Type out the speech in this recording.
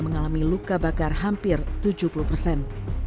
mengalami luka bakar hampir tujuh puluh persen